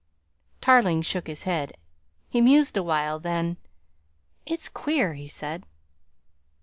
Tarling shook his head. He mused a while, then: "It's queer," he said.